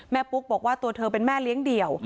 ปุ๊กบอกว่าตัวเธอเป็นแม่เลี้ยงเดี่ยว